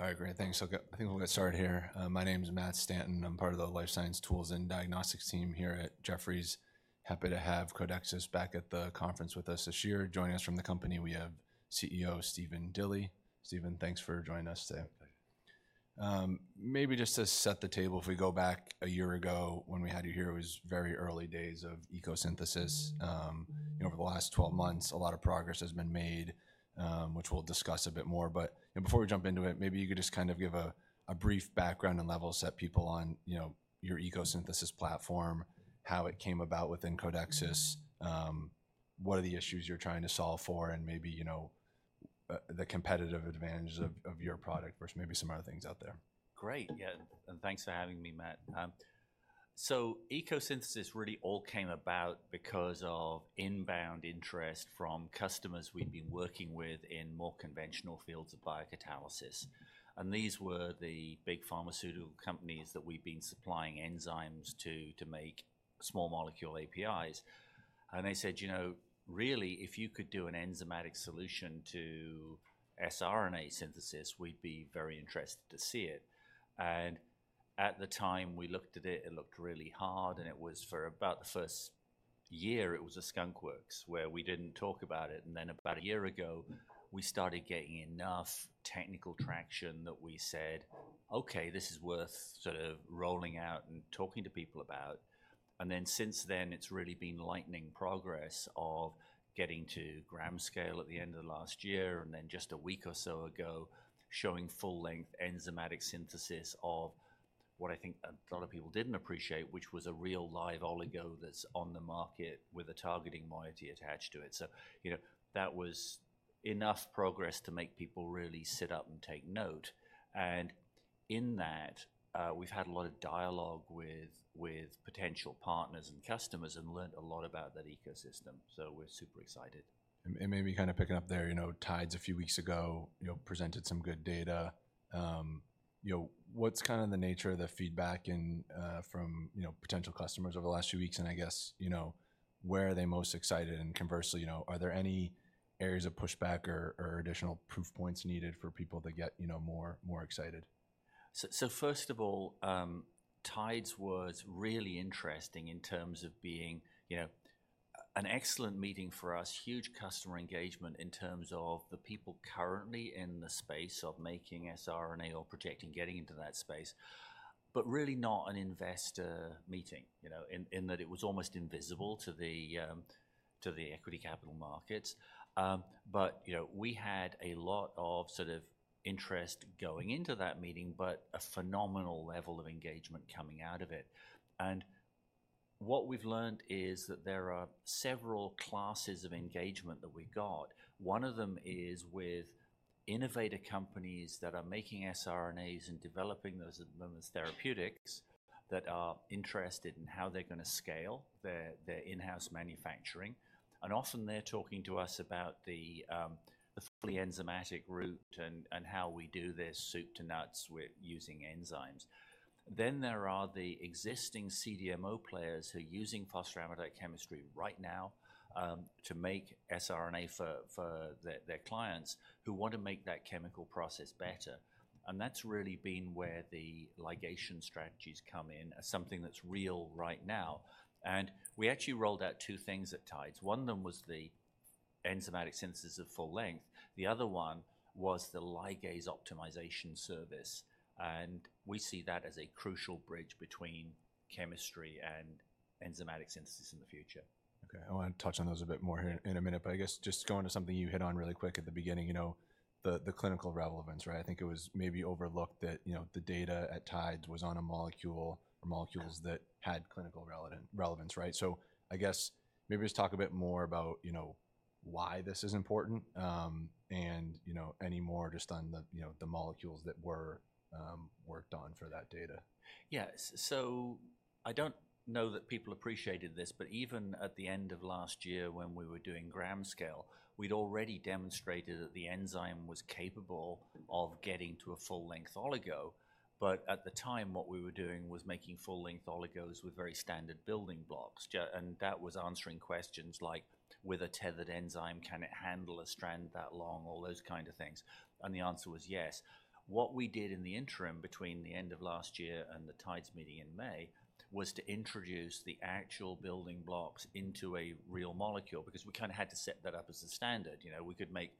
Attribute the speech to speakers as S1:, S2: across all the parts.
S1: All right, great. Thanks. So I think we'll get started here. My name is Matt Stanton. I'm part of the life science tools and diagnostics team here at Jefferies. Happy to have Codexis back at the conference with us this year. Joining us from the company, we have CEO Stephen Dilly. Stephen, thanks for joining us today. Maybe just to set the table, if we go back a year ago when we had you here, it was very early days of ECO Synthesis. Over the last 12 months, a lot of progress has been made, which we'll discuss a bit more. But before we jump into it, maybe you could just kind of give a brief background and level set people on, you know, your ECO Synthesis platform, how it came about within Codexis, what are the issues you're trying to solve for, and maybe, you know, the competitive advantages of your product versus maybe some other things out there?
S2: Great. Yeah, and thanks for having me, Matt. So ECO Synthesis really all came about because of inbound interest from customers we'd been working with in more conventional fields of biocatalysis. And these were the big pharmaceutical companies that we've been supplying enzymes to, to make small molecule APIs. And they said, "You know, really, if you could do an enzymatic solution to siRNA synthesis, we'd be very interested to see it." And at the time, we looked at it, it looked really hard, and it was for about the first year, it was a skunkworks where we didn't talk about it. And then about a year ago, we started getting enough technical traction that we said, "Okay, this is worth sort of rolling out and talking to people about." And then, since then, it's really been lightning progress of getting to gram scale at the end of last year, and then just a week or so ago, showing full-length enzymatic synthesis of what I think a lot of people didn't appreciate, which was a real live oligo that's on the market with a targeting moiety attached to it. So, you know, that was enough progress to make people really sit up and take note. And in that, we've had a lot of dialogue with, with potential partners and customers and learned a lot about that ecosystem, so we're super excited.
S1: And maybe kind of picking up there, you know, TIDES a few weeks ago, you know, presented some good data. You know, what's kind of the nature of the feedback in, from, you know, potential customers over the last few weeks? And I guess, you know, where are they most excited? And conversely, you know, are there any areas of pushback or additional proof points needed for people to get, you know, more, more excited?
S2: So, first of all, TIDES was really interesting in terms of being, you know, an excellent meeting for us, huge customer engagement in terms of the people currently in the space of making siRNA or projecting getting into that space, but really not an investor meeting, you know, in that it was almost invisible to the equity capital markets. But, you know, we had a lot of sort of interest going into that meeting, but a phenomenal level of engagement coming out of it. And what we've learned is that there are several classes of engagement that we got. One of them is with innovator companies that are making siRNAs and developing those at the moment as therapeutics, that are interested in how they're going to scale their in-house manufacturing. And often, they're talking to us about the, the fully enzymatic route and, and how we do this soup to nuts with using enzymes. Then there are the existing CDMO players who are using phosphoramidite chemistry right now, to make siRNA for their clients who want to make that chemical process better. And that's really been where the ligation strategies come in as something that's real right now. And we actually rolled out two things at TIDES. One of them was the enzymatic synthesis of full length, the other one was the ligase optimization service, and we see that as a crucial bridge between chemistry and enzymatic synthesis in the future.
S1: Okay, I want to touch on those a bit more here in a minute, but I guess just going to something you hit on really quick at the beginning, you know, the, the clinical relevance, right? I think it was maybe overlooked that, you know, the data at TIDES was on a molecule or molecules that had clinical relevance, right? So I guess maybe just talk a bit more about, you know, why this is important, and, you know, the molecules that were worked on for that data.
S2: Yeah. So I don't know that people appreciated this, but even at the end of last year, when we were doing gram scale, we'd already demonstrated that the enzyme was capable of getting to a full-length oligo. But at the time, what we were doing was making full-length oligos with very standard building blocks. And that was answering questions like, with a tethered enzyme, can it handle a strand that long? All those kind of things, and the answer was yes. What we did in the interim between the end of last year and the TIDES meeting in May, was to introduce the actual building blocks into a real molecule, because we kind of had to set that up as a standard. You know, we could make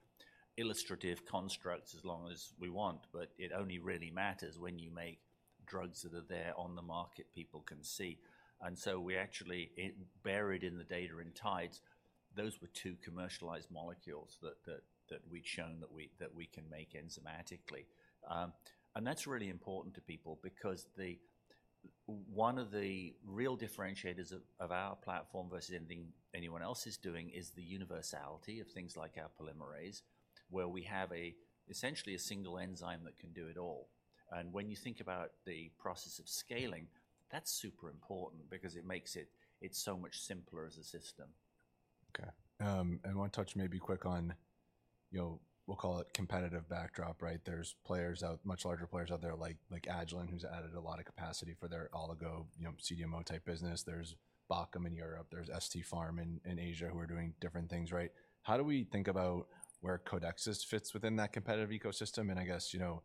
S2: illustrative constructs as long as we want, but it only really matters when you make drugs that are there on the market people can see. And so we actually, buried in the data in TIDES, those were two commercialized molecules that we'd shown that we can make enzymatically. And that's really important to people because the one of the real differentiators of our platform versus anything anyone else is doing is the universality of things like our polymerase, where we have essentially a single enzyme that can do it all. And when you think about the process of scaling, that's super important because it makes it so much simpler as a system.
S1: Okay. I want to touch maybe quick on, you know, we'll call it competitive backdrop, right? There's players out, much larger players out there, like Agilent, who's added a lot of capacity for their oligo, you know, CDMO-type business. There's Bachem in Europe, there's ST Pharm in Asia, who are doing different things, right? How do we think about where Codexis fits within that competitive ecosystem? And I guess, you know,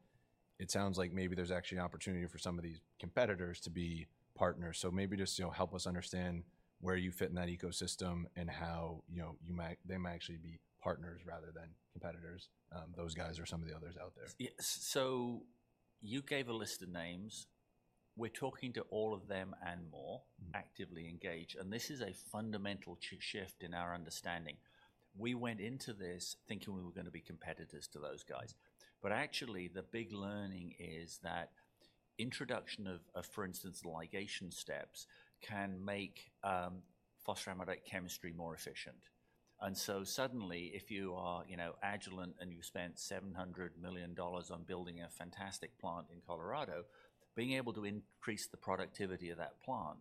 S1: it sounds like maybe there's actually an opportunity for some of these competitors to be partners. So maybe just, you know, help us understand where you fit in that ecosystem and how, you know, you might, they might actually be partners rather than competitors, those guys or some of the others out there.
S2: Yeah. So you gave a list of names. We're talking to all of them and more-
S1: Mm-hmm.
S2: actively engaged, and this is a fundamental shift in our understanding. We went into this thinking we were gonna be competitors to those guys, but actually, the big learning is that introduction of, for instance, ligation steps, can make phosphoramidite chemistry more efficient. And so suddenly, if you are, you know, Agilent and you spent $700 million on building a fantastic plant in Colorado, being able to increase the productivity of that plant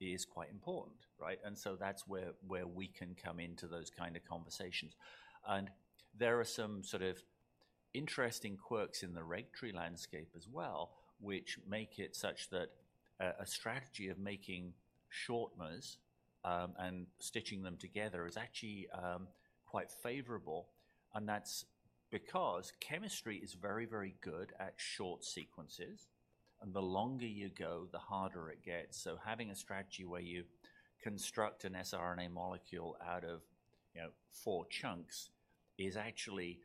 S2: is quite important, right? And so that's where we can come into those kind of conversations. There are some sort of interesting quirks in the siRNA landscape as well, which make it such that a strategy of making shortmers and stitching them together is actually quite favorable, and that's because chemistry is very, very good at short sequences, and the longer you go, the harder it gets. So having a strategy where you construct an siRNA molecule out of, you know, four chunks, is actually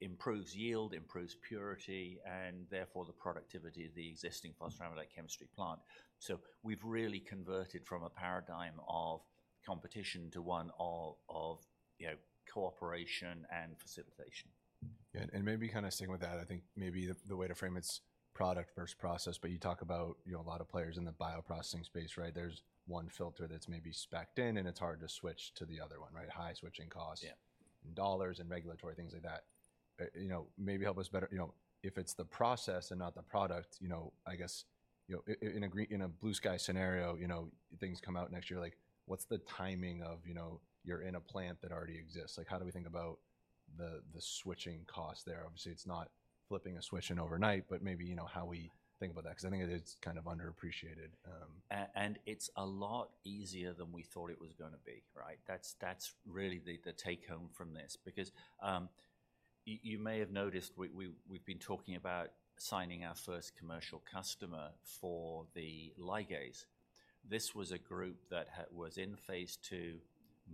S2: improves yield, improves purity, and therefore the productivity of the existing phosphoramidite chemistry plant. So we've really converted from a paradigm of competition to one of you know, cooperation and facilitation.
S1: Yeah, and maybe kind of sticking with that, I think maybe the way to frame it's product versus process, but you talk about, you know, a lot of players in the bioprocessing space, right? There's one filter that's maybe spec'd in, and it's hard to switch to the other one, right? High switching costs-
S2: Yeah.
S1: dollars and regulatory things like that. You know, maybe help us better... You know, if it's the process and not the product, you know, I guess, you know, in a blue sky scenario, you know, things come out next year, like, what's the timing of, you know, you're in a plant that already exists? Like, how do we think about the switching costs there? Obviously, it's not flipping a switch and overnight, but maybe, you know, how we think about that, because I think it's kind of underappreciated.
S2: It's a lot easier than we thought it was gonna be, right? That's really the take-home from this, because you may have noticed, we've been talking about signing our first commercial customer for the ligase. This was a group that was in phase 2,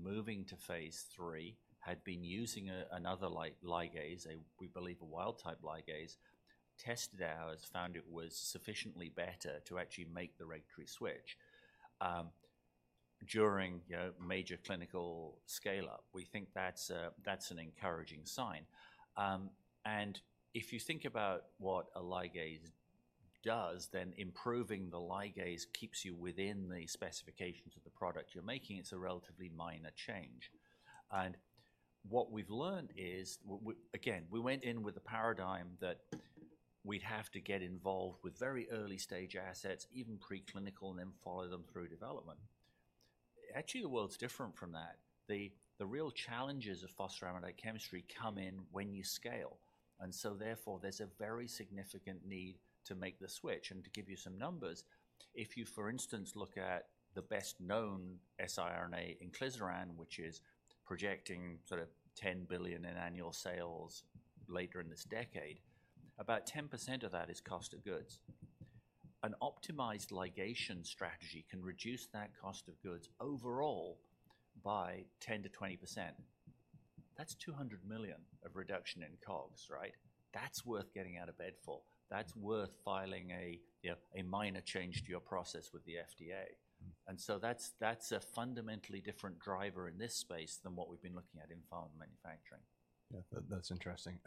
S2: moving to phase 3, had been using another ligase. We believe a wild-type ligase, tested ours, found it was sufficiently better to actually make the right switch, during you know, major clinical scaleup. We think that's an encouraging sign. And if you think about what a ligase does, then improving the ligase keeps you within the specifications of the product you're making. It's a relatively minor change. What we've learned is, again, we went in with the paradigm that we'd have to get involved with very early-stage assets, even preclinical, and then follow them through development. Actually, the world's different from that. The real challenges of phosphoramidite chemistry come in when you scale, and so therefore, there's a very significant need to make the switch. To give you some numbers, if you, for instance, look at the best-known siRNA inclisiran, which is projecting sort of $10 billion in annual sales later in this decade, about 10% of that is cost of goods. An optimized ligation strategy can reduce that cost of goods overall by 10%-20%. That's $200 million of reduction in COGS, right? That's worth getting out of bed for. That's worth filing a, you know, a minor change to your process with the FDA.
S1: Mm-hmm.
S2: So that's a fundamentally different driver in this space than what we've been looking at in pharma manufacturing.
S1: Yeah, that- that's interesting.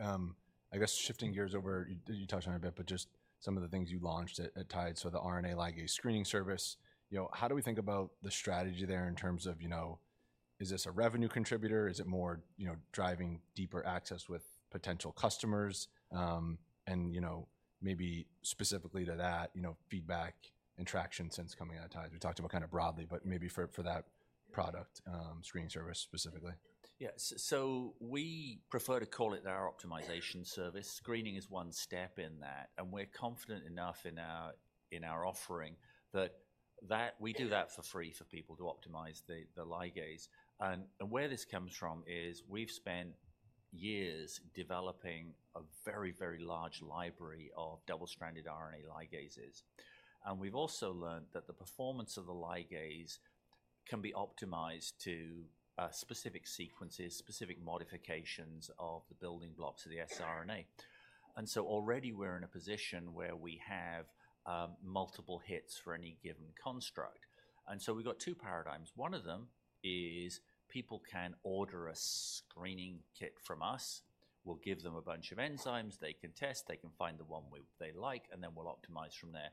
S1: I guess shifting gears over, you touched on it a bit, but just some of the things you launched at TIDES, so the RNA ligase screening service, you know, how do we think about the strategy there in terms of, you know, is this a revenue contributor? Is it more, you know, driving deeper access with potential customers? And you know, maybe specifically to that, you know, feedback and traction since coming out of TIDES. We talked about kind of broadly, but maybe for, for that product, screening service specifically.
S2: Yeah. So we prefer to call it our optimization service. Screening is one step in that, and we're confident enough in our offering that we do that for free for people to optimize the ligase. And where this comes from is we've spent years developing a very, very large library of double-stranded RNA ligases. And we've also learned that the performance of the ligase can be optimized to specific sequences, specific modifications of the building blocks of the siRNA. And so already, we're in a position where we have multiple hits for any given construct. And so we've got two paradigms. One of them is people can order a screening kit from us. We'll give them a bunch of enzymes, they can test, they can find the one they like, and then we'll optimize from there.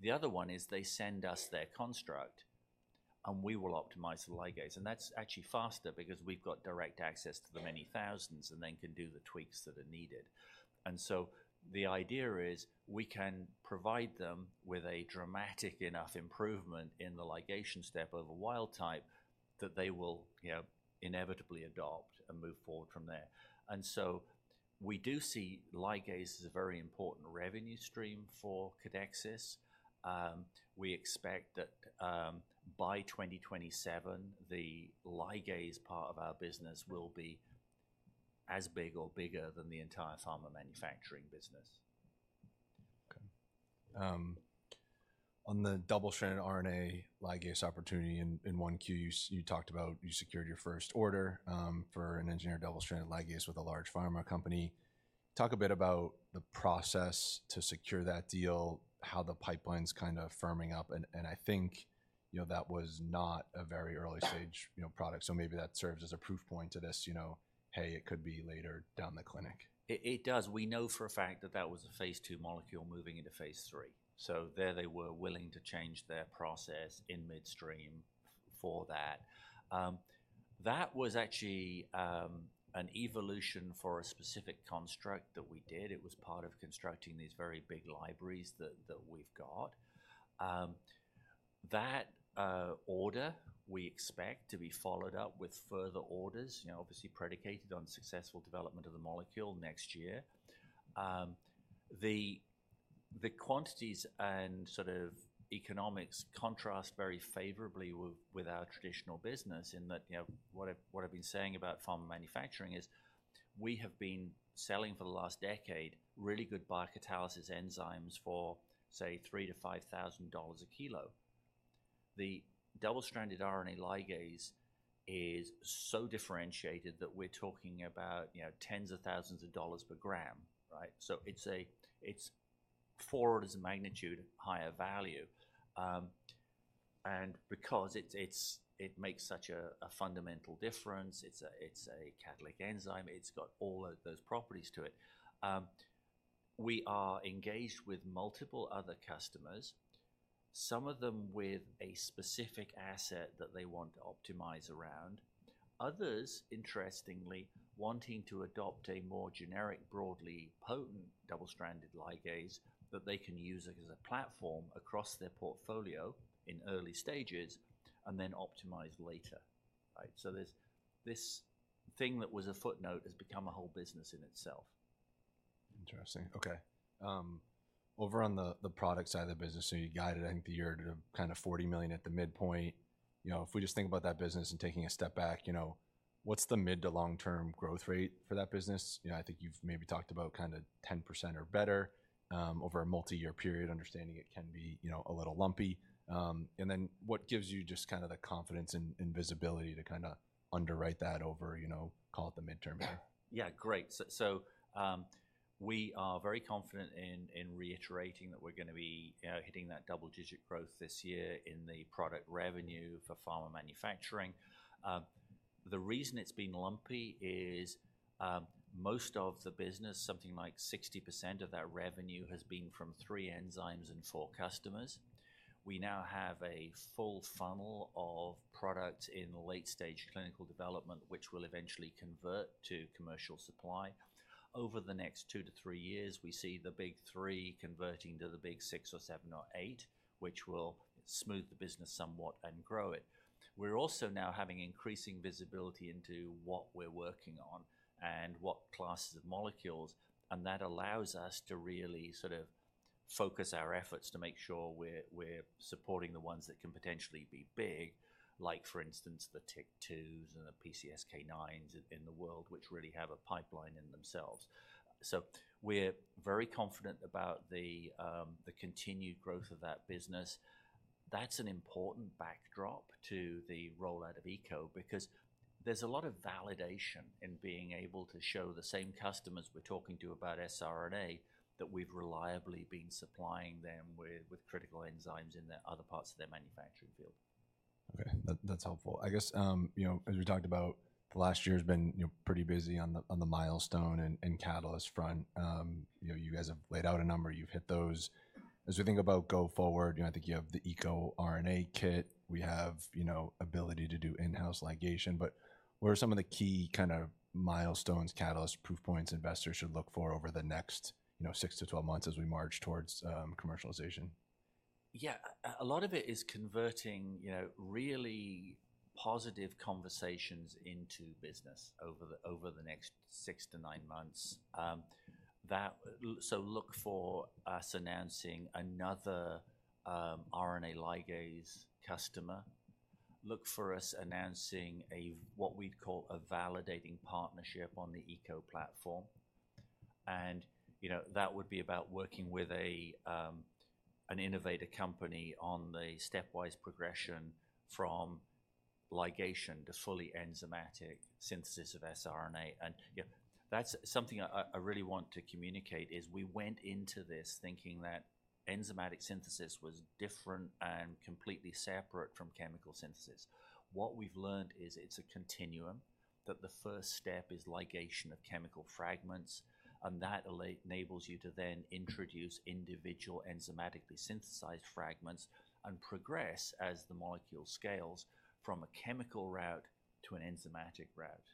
S2: The other one is they send us their construct, and we will optimize the ligase, and that's actually faster because we've got direct access to the many thousands and then can do the tweaks that are needed. And so the idea is, we can provide them with a dramatic enough improvement in the ligation step over wild type, that they will, you know, inevitably adopt and move forward from there. And so we do see ligase as a very important revenue stream for Codexis. We expect that, by 2027, the ligase part of our business will be as big or bigger than the entire pharma manufacturing business....
S1: on the double-stranded RNA ligase opportunity in 1Q, you talked about you secured your first order for an engineered double-stranded ligase with a large pharma company. Talk a bit about the process to secure that deal, how the pipeline's kind of firming up, and I think, you know, that was not a very early stage, you know, product, so maybe that serves as a proof point to this, you know, hey, it could be later down the clinic.
S2: It does. We know for a fact that that was a phase two molecule moving into phase three. So there they were willing to change their process in midstream for that. That was actually an evolution for a specific construct that we did. It was part of constructing these very big libraries that we've got. That order, we expect to be followed up with further orders, you know, obviously predicated on successful development of the molecule next year. The quantities and sort of economics contrast very favorably with our traditional business in that, you know, what I've been saying about pharma manufacturing is we have been selling for the last decade, really good biocatalysis enzymes for, say, $3,000-$5,000 a kilo. The double-stranded RNA ligase is so differentiated that we're talking about, you know, tens of thousands of dollars per gram, right? So it's four orders of magnitude higher value, and because it's, it makes such a fundamental difference, it's a catalytic enzyme, it's got all of those properties to it. We are engaged with multiple other customers, some of them with a specific asset that they want to optimize around. Others, interestingly, wanting to adopt a more generic, broadly potent double-stranded ligase that they can use as a platform across their portfolio in early stages and then optimize later, right? So there's this thing that was a footnote has become a whole business in itself.
S1: Interesting. Okay. Over on the product side of the business, so you guided, I think, the year to kind of $40 million at the midpoint. You know, if we just think about that business and taking a step back, you know, what's the mid- to long-term growth rate for that business? You know, I think you've maybe talked about kind of 10% or better over a multi-year period, understanding it can be, you know, a little lumpy. And then what gives you just kind of the confidence and visibility to kinda underwrite that over, you know, call it the midterm here?
S2: Yeah, great. So, we are very confident in reiterating that we're gonna be, you know, hitting that double-digit growth this year in the product revenue for pharma manufacturing. The reason it's been lumpy is, most of the business, something like 60% of that revenue, has been from 3 enzymes and 4 customers. We now have a full funnel of product in late-stage clinical development, which will eventually convert to commercial supply. Over the next 2-3 years, we see the big 3 converting to the big 6 or 7 or 8, which will smooth the business somewhat and grow it. We're also now having increasing visibility into what we're working on and what classes of molecules, and that allows us to really sort of focus our efforts to make sure we're supporting the ones that can potentially be big, like for instance, the TYK2s and the PCSK9s in the world, which really have a pipeline in themselves. So we're very confident about the continued growth of that business. That's an important backdrop to the rollout of Eco, because there's a lot of validation in being able to show the same customers we're talking to about siRNA that we've reliably been supplying them with critical enzymes in their other parts of their manufacturing field.
S1: Okay, that's helpful. I guess, you know, as we talked about, the last year's been, you know, pretty busy on the milestone and catalyst front. You know, you guys have laid out a number, you've hit those. As we think about go forward, you know, I think you have the ECO RNA kit. We have, you know, ability to do in-house ligation, but what are some of the key kind of milestones, catalysts, proof points investors should look for over the next, you know, 6-12 months as we march towards commercialization?
S2: Yeah. A lot of it is converting, you know, really positive conversations into business over the, over the next six to nine months. That. So look for us announcing another, RNA ligase customer. Look for us announcing a, what we'd call a validating partnership on the Eco platform. And, you know, that would be about working with a, an innovator company on the stepwise progression from ligation to fully enzymatic synthesis of siRNA. And, you know, that's something I really want to communicate is we went into this thinking that enzymatic synthesis was different and completely separate from chemical synthesis. What we've learned is it's a continuum, that the first step is ligation of chemical fragments, and that allows you to then introduce individual enzymatically synthesized fragments and progress as the molecule scales from a chemical route to an enzymatic route.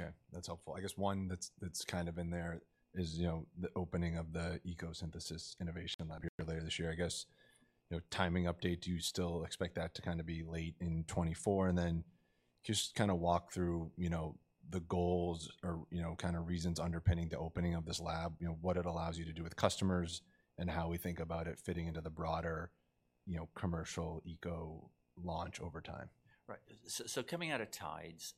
S1: Okay, that's helpful. I guess one that's, that's kind of in there is, you know, the opening of the ECO Synthesis Innovation Lab here later this year. I guess, you know, timing update, do you still expect that to kind of be late in 2024? And then just kind of walk through, you know, the goals or, you know, kind of reasons underpinning the opening of this lab, you know, what it allows you to do with customers and how we think about it fitting into the broader, you know, commercial ECO launch over time.
S2: Right. So, so coming out of TIDES,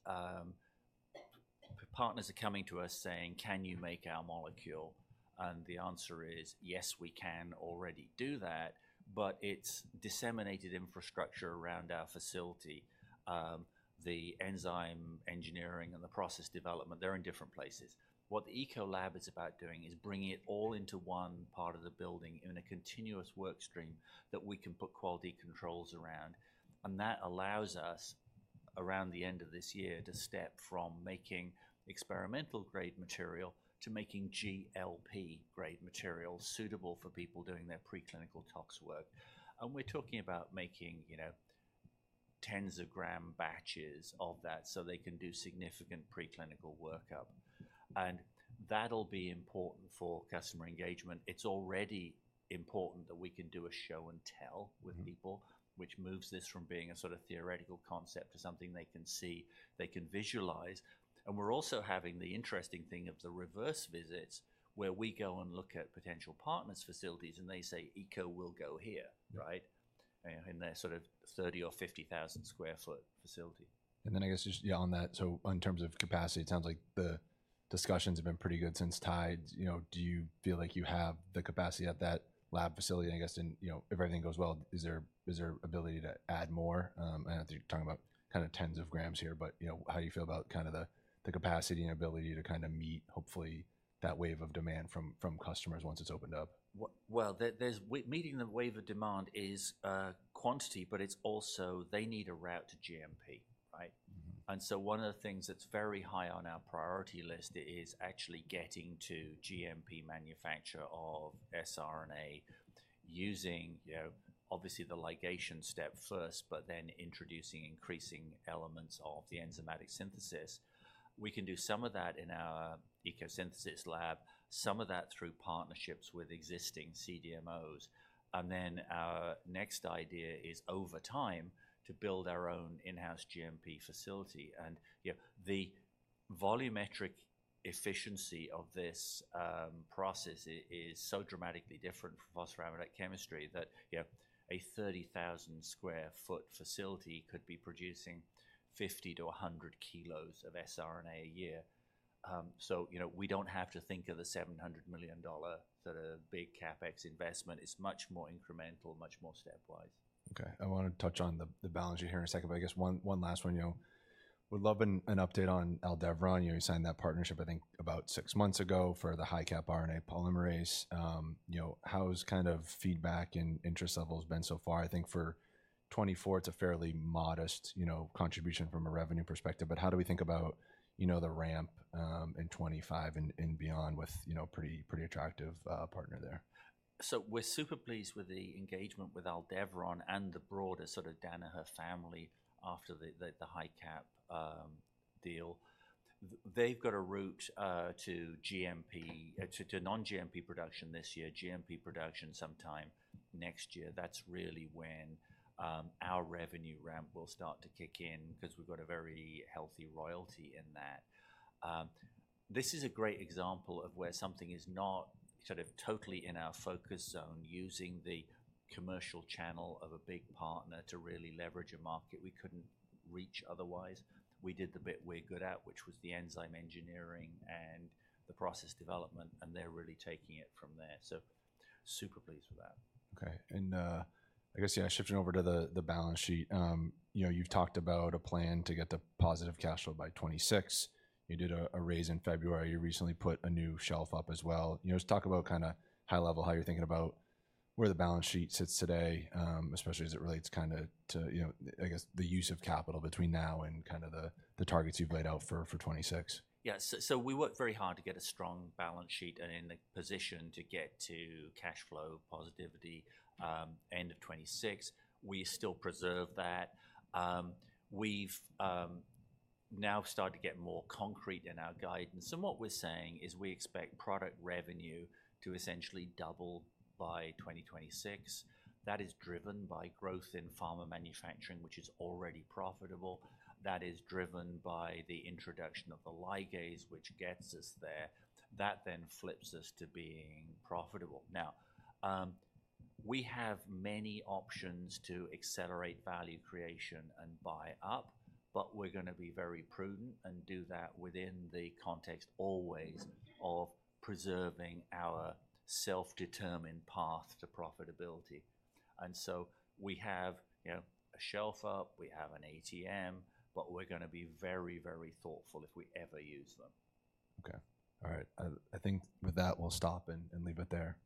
S2: partners are coming to us saying, "Can you make our molecule?" And the answer is, "Yes, we can already do that," but it's disseminated infrastructure around our facility. The enzyme engineering and the process development, they're in different places. What the ECO Lab is about doing is bringing it all into one part of the building in a continuous work stream that we can put quality controls around, and that allows us, around the end of this year, to step from making experimental grade material to making GLP grade material suitable for people doing their preclinical tox work. And we're talking about making, you know, tens of gram batches of that, so they can do significant preclinical workup. And that'll be important for customer engagement. It's already important that we can do a show and tell with people-
S1: Mm-hmm.
S2: -which moves this from being a sort of theoretical concept to something they can see, they can visualize. And we're also having the interesting thing of the reverse visits, where we go and look at potential partners' facilities, and they say, "Eco will go here," right?
S1: Mm-hmm.
S2: In their sort of 30 or 50,000 sq ft facility.
S1: And then I guess just, yeah, on that, so in terms of capacity, it sounds like the discussions have been pretty good since TIDES. You know, do you feel like you have the capacity at that lab facility, I guess, and, you know, if everything goes well, is there, is there ability to add more? I know you're talking about kind of tens of grams here, but, you know, how do you feel about kind of the, the capacity and ability to kind of meet, hopefully, that wave of demand from, from customers once it's opened up?
S2: Well, there, there's meeting the wave of demand is quantity, but it's also they need a route to GMP, right?
S1: Mm-hmm.
S2: One of the things that's very high on our priority list is actually getting to GMP manufacture of siRNA, using, you know, obviously the ligation step first, but then introducing increasing elements of the enzymatic synthesis. We can do some of that in our ECO Synthesis lab, some of that through partnerships with existing CDMOs. And then our next idea is, over time, to build our own in-house GMP facility. And, you know, the volumetric efficiency of this process is so dramatically different from phosphoramidite chemistry, that, you know, a 30,000-square-foot facility could be producing 50-100 kilos of siRNA a year. So, you know, we don't have to think of the $700 million sort of big CapEx investment. It's much more incremental, much more stepwise.
S1: Okay. I want to touch on the balance sheet here in a second, but I guess one last one, you know. Would love an update on Aldevron. You know, you signed that partnership, I think, about six months ago for the HiCap RNA polymerase. You know, how has kind of feedback and interest levels been so far? I think for 2024, it's a fairly modest, you know, contribution from a revenue perspective, but how do we think about, you know, the ramp, in 2025 and and beyond with, you know, pretty, pretty attractive, partner there?
S2: So we're super pleased with the engagement with Aldevron and the broader sort of Danaher family after the high cap deal. They've got a route to GMP, to non-GMP production this year, GMP production sometime next year. That's really when our revenue ramp will start to kick in, because we've got a very healthy royalty in that. This is a great example of where something is not sort of totally in our focus zone, using the commercial channel of a big partner to really leverage a market we couldn't reach otherwise. We did the bit we're good at, which was the enzyme engineering and the process development, and they're really taking it from there, so super pleased with that.
S1: Okay, and, I guess, yeah, shifting over to the balance sheet. You know, you've talked about a plan to get to positive cash flow by 2026. You did a raise in February. You recently put a new shelf up as well. You know, just talk about kinda high level, how you're thinking about where the balance sheet sits today, especially as it relates kinda to, you know, I guess, the use of capital between now and kind of the targets you've laid out for 2026.
S2: Yeah. So we worked very hard to get a strong balance sheet and in the position to get to cash flow positivity, end of 2026. We still preserve that. We've now started to get more concrete in our guidance, and what we're saying is we expect product revenue to essentially double by 2026. That is driven by growth in pharma manufacturing, which is already profitable. That is driven by the introduction of the ligase, which gets us there. That then flips us to being profitable. Now, we have many options to accelerate value creation and buy up, but we're gonna be very prudent and do that within the context always of preserving our self-determined path to profitability. And so we have, you know, a shelf up, we have an ATM, but we're gonna be very, very thoughtful if we ever use them.
S1: Okay. All right. I think with that, we'll stop and leave it there.